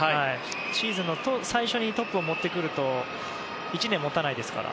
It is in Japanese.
シーズンの最初にトップを持ってくると１年持たないですから。